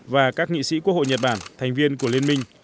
và các nghị sĩ quốc hội nhật bản thành viên của liên minh